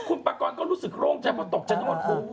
คุณปากรก็รู้สึกโล่งใจพอตกจังเลยว่าโอ้โฮ